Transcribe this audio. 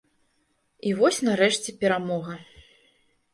І вось нарэшце перамога.